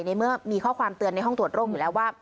ในเมื่อมีข้อความเตือนในห้องตรวจโรคอยู่แล้วว่า